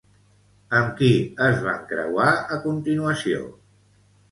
Amb qui es van creuar a continuació?